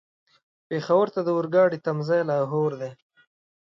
پېښور ته د اورګاډي تم ځای لاهور و.